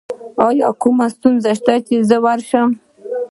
ایا کوم مرکز شته چې زه ورشم؟